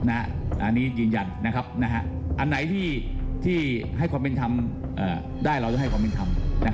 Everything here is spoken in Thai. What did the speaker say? อันนี้ยืนยันอันไหนที่ให้ความเป็นธรรมได้เราจะให้ความเป็นธรรม